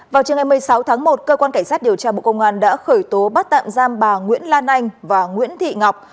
vào chiều ngày một mươi sáu tháng một cơ quan cảnh sát điều tra bộ công an đã khởi tố bắt tạm giam bà nguyễn lan anh và nguyễn thị ngọc